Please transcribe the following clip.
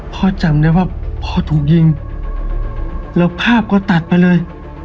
จำได้ว่าพ่อถูกยิงแล้วภาพก็ตัดไปเลย